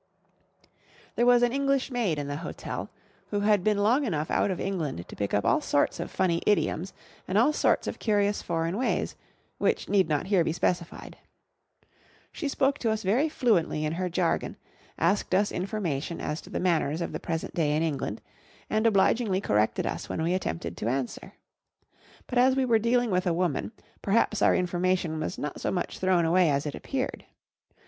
There was an English maid in the hotel, who had been long enough out of England to pick up all sorts of funny foreign idioms, and all sorts of curious foreign ways, which need not here be specified. She spoke to us very fluently in her jargon, asked us information as to the manners of the present day in England, and obligingly corrected us when we attempted to answer. But as we were dealing with a woman, perhaps our information was not so much thrown away as it appeared.